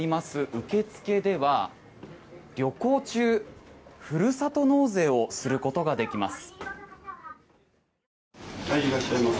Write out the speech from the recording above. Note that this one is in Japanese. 受付では旅行中、ふるさと納税をすることができます。